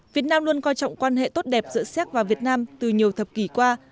việt nam luôn coi trọng quan hệ tốt đẹp giữa xéc và việt nam từ nhiều thập kỷ qua